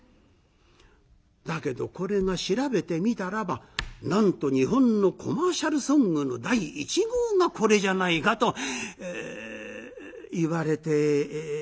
だけどこれが調べてみたらばなんと日本のコマーシャルソングの第１号がこれじゃないかといわれているんですけれどもね。